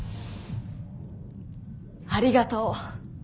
ありがとう。